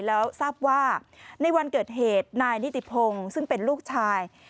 แล้วทราบว่าในวันเกิดเหตุนายนิติพงศ์ซึ่งเป็นลูกชาย